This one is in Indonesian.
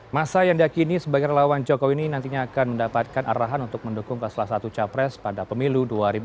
masa yang diakini sebagai relawan jokowi ini nantinya akan mendapatkan arahan untuk mendukung ke salah satu capres pada pemilu dua ribu dua puluh